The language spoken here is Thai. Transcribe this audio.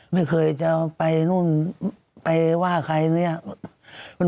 ไม่เคยจะไปนู่นไปว่าใครเนี่ย